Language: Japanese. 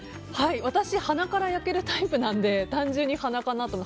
私、鼻から焼けるタイプなので単純に鼻かなと。